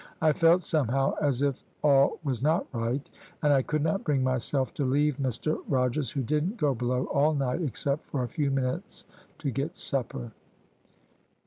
I felt somehow as if all was not right, and I could not bring myself to leave Mr Rogers, who didn't go below all night, except for a few minutes to get supper."